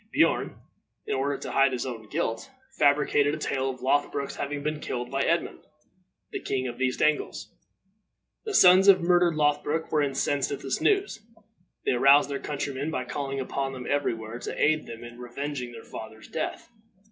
Beorn, in order to hide his own guilt, fabricated a tale of Lothbroc's having been killed by Edmund, the king of the East Angles. The sons of the murdered Lothbroc were incensed at this news. They aroused their countrymen by calling upon them every where to aid them in revenging their father's death.